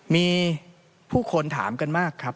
มีผู้คนถามกันมากครับ